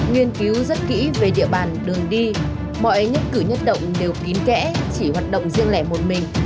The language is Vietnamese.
nguyên cứu rất kỹ về địa bàn đường đi mọi nhấc cử nhấc động đều kín kẽ chỉ hoạt động riêng lẻ một mình